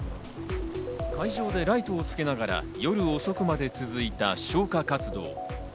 海上でライトをつけながら夜遅くまで続いた消火活動。